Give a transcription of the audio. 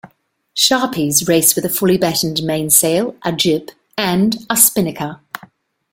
Sharpies race with a fully battened mainsail, a jib and a spinnaker.